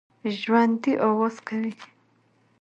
ژوندي آواز کوي